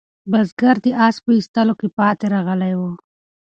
بزګر د آس په ایستلو کې پاتې راغلی و.